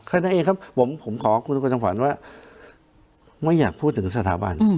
แค่นั้นเองครับผมผมขอคุณผู้ตังค์ฝันว่าไม่อยากพูดถึงสถาบัน